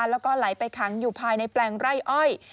แล้วก็ไหลไปขังอยู่ภายในแปลงไร่อ้อย